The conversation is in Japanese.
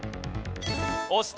押した。